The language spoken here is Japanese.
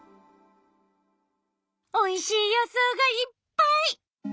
おいしい予想がいっぱい！